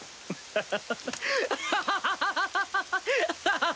ハハハハ。